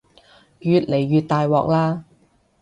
越嚟越大鑊喇